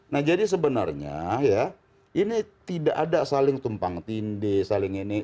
nah jadi sebenarnya ya ini tidak ada saling tumpang tindih saling ini